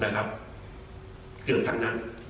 เกือบทั้งนั้น